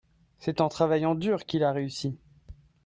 c'est en travaillant dur qu'il a réussi.